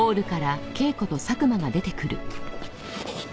あっ。